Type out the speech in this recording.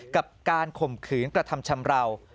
กับการข่มขืนกระทำชำราว